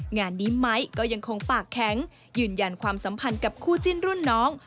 งานนี้ไม้ก็ยังคงปากแข็งยืนยันความสัมพันธ์กับคู่จิ้นรุ่นน้อง